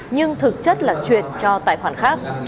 nhưng thực chất là chuyển cho tài khoản khác